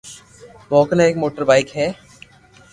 مون ڪني ايڪ موٽر بائيڪ ھي